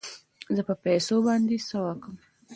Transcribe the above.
زه به په پيسو باندې څه وکم.